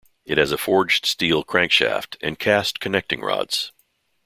It has a forged steel crankshaft and cast connecting rods.